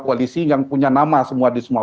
koalisi yang punya nama semua di semua